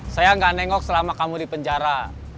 saya nggak nengok selama kamu di penjara